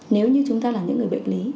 nếu như chúng ta là những người bệnh lý